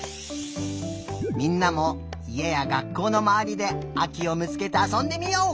みんなもいえや学校のまわりであきをみつけてあそんでみよう！